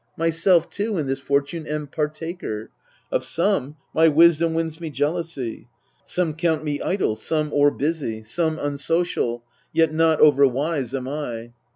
Myself too in this fortune am partaker. Of some my wisdom wins me jealousy, Some count me idle ; some, o'erbusy ; some Unsocial : yet not over wise am I.